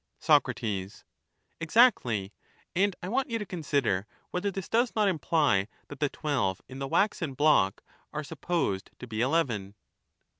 Soc, Exactly; and I want you to consider whether this does not imply that the twelve in the waxen block are supposed to be eleven